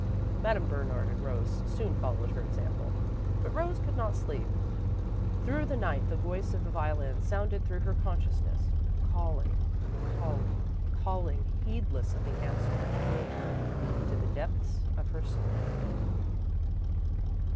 Madame Bernard and Rose soon followed her example, but Rose could not sleep. Through the night the voice of the violin sounded through her consciousness, calling, calling, calling heedless of the answer that thrilled her to the depths of her soul.